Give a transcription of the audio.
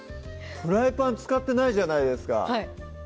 フライパン使ってないじゃないですか